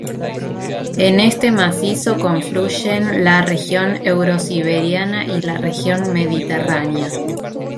En este macizo confluyen la región eurosiberiana y la región mediterránea.